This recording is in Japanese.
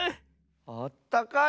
あったかい？